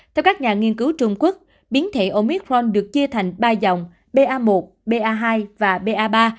theo các nhà nghiên cứu trung quốc biến thể omicron được chia thành ba dòng ba một ba hai và ba ba